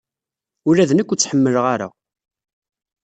Ula d nekk ur tt-ḥemmleɣ ara.